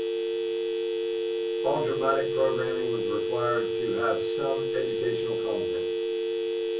All dramatic programming was required to have some educational content.